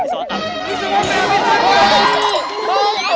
เอาแล้ว